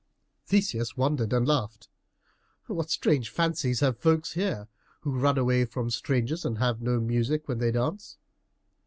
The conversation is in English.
Theseus wondered and laughed, "What strange fancies have folks here, who run away from strangers, and have no music when they dance."